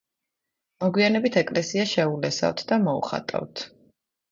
მოგვიანებით ეკლესია შეულესავთ და მოუხატავთ.